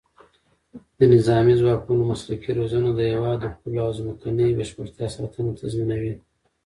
د نظامي ځواکونو مسلکي روزنه د هېواد د پولو او ځمکنۍ بشپړتیا ساتنه تضمینوي.